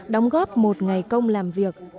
đóng góp một ngày công làm việc